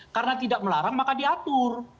karena tidak melarang maka diatur